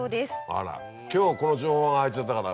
あら今日この情報が入っちゃったから。